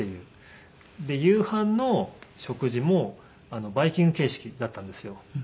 で夕飯の食事もバイキング形式だったんですよ。